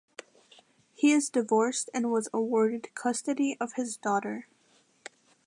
He is divorced and was awarded custody of his daughter.